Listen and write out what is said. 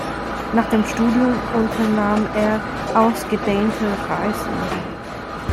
Nach dem Studium unternahm er ausgedehnte Reisen.